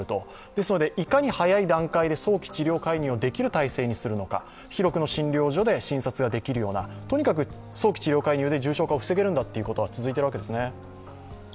ですのでいかに早い段階で早期治療介入をできる体制にするのか広くの診療所で診察ができるような、早期治療介入で重症化は防げるんだということはいわれているんですよね。